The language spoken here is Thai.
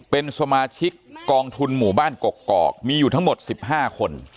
เป็นสมาชิกกองทุนหมู่บ้านกกอกมีอยู่ทั้งหมด๑๕คน